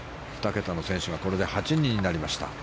２桁の選手がこれで８人になりました。